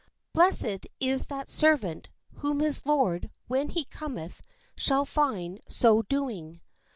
Blessed is that ser vant, whom his lord when he cometh shall find so do ing.